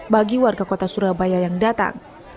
bagi warga kota surabaya yang datang